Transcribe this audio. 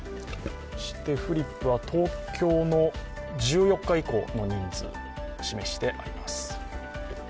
フリップは東京の１４日以降の人数を示してあります。